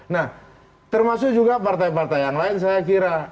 nah termasuk juga partai partai yang lain saya kira